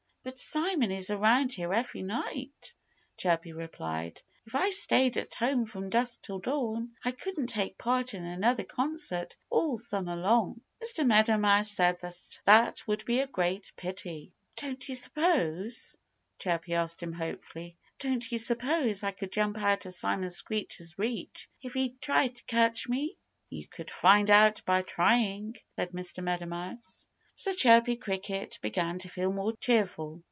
"But Simon is around here every night," Chirpy replied. "If I stayed at home from dusk till dawn I couldn't take part in another concert all summer long." Mr. Meadow Mouse said that that would be a great pity. "Don't you suppose" Chirpy asked him hopefully "don't you suppose I could jump out of Simon Screecher's reach if he tried to catch me?" "You could find out by trying," said Mr. Meadow Mouse. So Chirpy Cricket began to feel more cheerful.